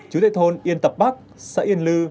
chú tây thôn yên tập bắc xã yên lư